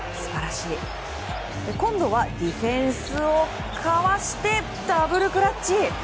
今度はディフェンスをかわしてダブルクラッチ！